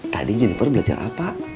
tadi jenimper belajar apa